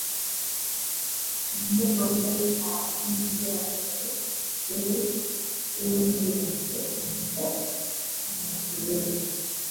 எந்தப் பொருளையும் பார்க்க முடியாத அளவு இருள் சூழ்ந்திருந்தது அந்தச் சமயத்திலே.